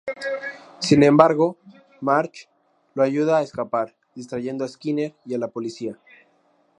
Sin embargo, Marge lo ayuda a escapar, distrayendo a Skinner y a la Policía.